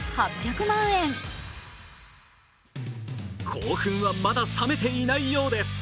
興奮はまだ冷めていないようです。